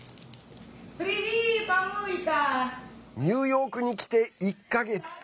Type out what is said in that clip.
ニューヨークに来て、１か月。